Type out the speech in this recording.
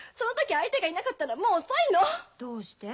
どうして？